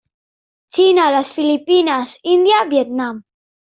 Xina, les Filipines, Índia, Vietnam.